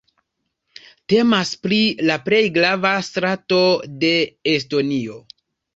Temas pri la plej grava strato de Estonio.